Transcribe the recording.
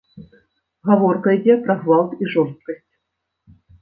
Гаворка ідзе пра гвалт і жорсткасць.